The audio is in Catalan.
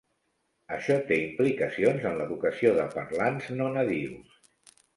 Això té implicacions en l'educació de parlants no nadius.